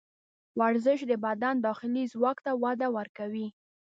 ورزش د بدن داخلي ځواک ته وده ورکوي.